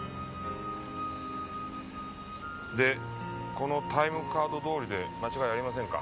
このタイムカードどおりで間違いありませんか？